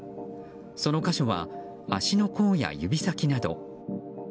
その箇所は足の甲や指先など。